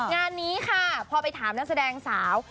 งานนี้ค่ะพอไปถามนักแสดงสาว